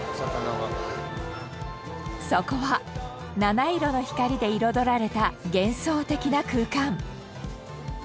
そこは七色の光で彩られた幻想的な空間。